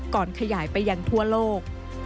ก่อนขยายไปยังทั่วโลก